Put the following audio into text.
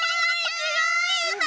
すごい！